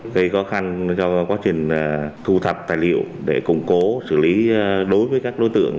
gây khó khăn cho quá trình thu thập tài liệu để củng cố xử lý đối với các đối tượng